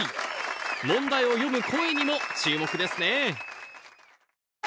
問題を読む声にも注目ですね